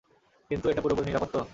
কিন্ত এটা পুরোপুরি নিরাপদ তো?